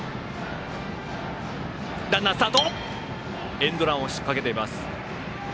エンドランを仕掛けています。